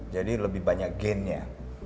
jadi lebih banyak gainnya